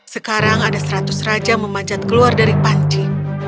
sekarang ada seratus raja memanjat keluar dari panci